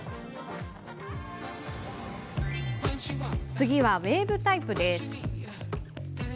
次は、ウエーブタイプです。